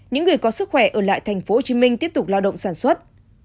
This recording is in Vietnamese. những người có sức khỏe ở lại tp hcm tiếp tục lao động sản xuất